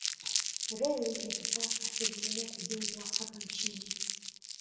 reli ya kisasa inaendelea kujengwa hapa nchini